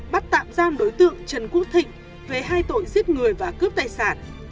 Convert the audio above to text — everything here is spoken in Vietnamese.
bắt tạm giam đối tượng trần quốc thịnh về hai tội giết người và cướp tài sản